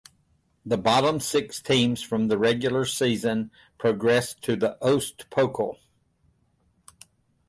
The bottom six teams from the regular season progressed to the Ost Pokal.